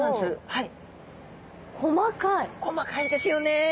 はい。